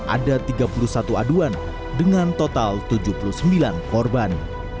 ada tiga puluh satu aduan dengan total tujuh puluh sembilan korban